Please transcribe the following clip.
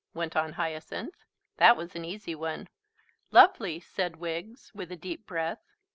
went on Hyacinth. That was an easy one. "Lovely!" said Wiggs, with a deep breath.